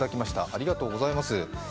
ありがとうございます。